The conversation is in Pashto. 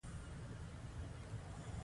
دوی د مالیې اصول هم له منځه یوړل.